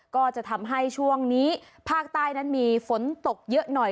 ก็จะทำให้ช่วงนี้ภาคใต้นั้นมีฝนตกเยอะหน่อย